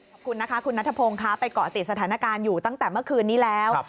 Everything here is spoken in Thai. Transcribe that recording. ขอบคุณนะคะคุณนัทพงศ์ค่ะไปเกาะติดสถานการณ์อยู่ตั้งแต่เมื่อคืนนี้แล้ว